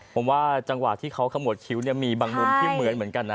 ผมว่าจังหวะที่เขาขมวดคิ้วเนี่ยมีบางมุมที่เหมือนกันนะ